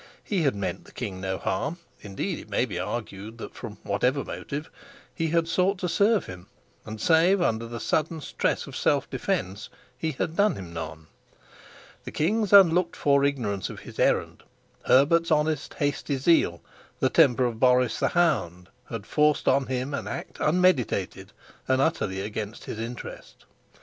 He had meant the king no harm indeed it may be argued that, from whatever motive, he had sought to serve him and save under the sudden stress of self defense he had done him none. The king's unlooked for ignorance of his errand, Herbert's honest hasty zeal, the temper of Boris the hound, had forced on him an act unmeditated and utterly against his interest.